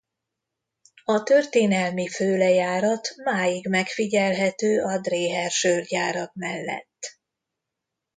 A történelmi fő lejárat máig megfigyelhető a Dreher Sörgyárak mellett.